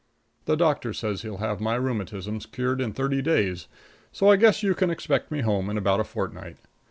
The doctor says he'll have my rheumatism cured in thirty days, so I guess you can expect me home in about a fortnight.